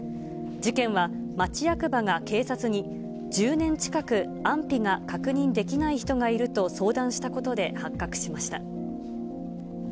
事件は町役場が警察に、１０年近く安否が確認できない人がいると相談したことで発覚しました。